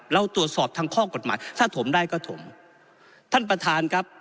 เราตรวจสอบทางข้อกฎหมายถ้าถมได้ก็ถมท่านประธานครับ